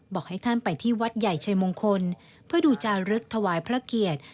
บอกให้ท่านไปที่วัดใหญ่ชัยมงคลเพื่อดูจารึกถวายพระเกียรติ